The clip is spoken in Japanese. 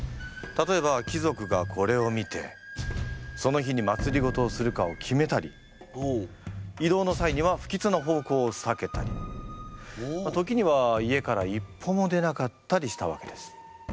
例えば貴族がこれを見てその日にまつりごとをするかを決めたり移動の際には不吉な方向をさけたり時には家から一歩も出なかったりしたわけです。